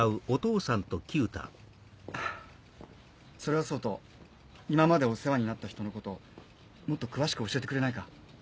それはそうと今までお世話になった人のこともっと詳しく教えてくれないか？